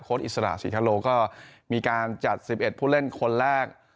โคตรอิสราชิคาโลก็มีการจัดสิบเอ็ดผู้แร่งคนแรก